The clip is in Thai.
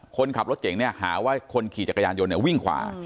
คนขับรถเก่งเนี่ยหาว่าคนขี่จักรยานยนต์วิ่งขวา